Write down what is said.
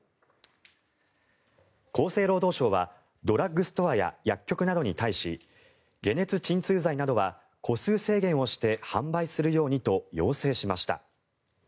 厚生労働省はドラッグストアや薬局などに対し解熱鎮痛剤などは個数制限をして販売するようにと要請しました。